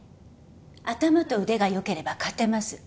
頭と腕が良ければ勝てます。